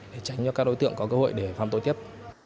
để tránh cho các đối tượng có cơ hội để phạm tội tiếp